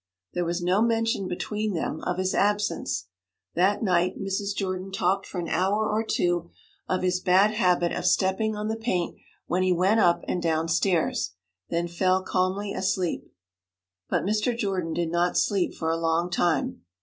There was no mention between them of his absence. That night, Mrs. Jordan talked for an hour or two of his bad habit of stepping on the paint when he went up and down stairs, then fell calmly asleep. But Mr. Jordan did not sleep for a long time.